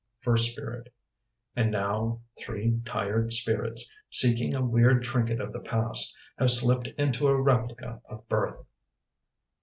First Spirit And now, three tired spirits, Seeking a weird trinket of the past, Have slipped into a replica of birth.